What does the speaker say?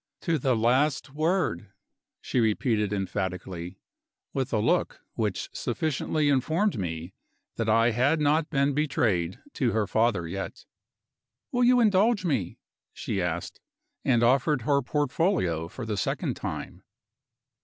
To the last word," she repeated emphatically with a look which sufficiently informed me that I had not been betrayed to her father yet. "Will you indulge me?" she asked, and offered her portfolio for the second time.